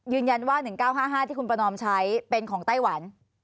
๑๙๕๕ที่คุณประนอมใช้เป็นของไต้หวัน